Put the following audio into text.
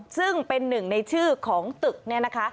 ซึ่งเป็นหนึ่งในชื่อของตึกเนี่ยนะคะ